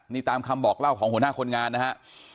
นี่ตามคำบอกเล่าของหัวหน้าคนงานนะฮะ